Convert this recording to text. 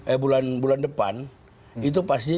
eh bulan bulan depan itu pasti